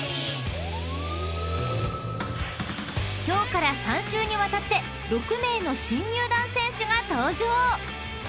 ［今日から３週にわたって６名の新入団選手が登場］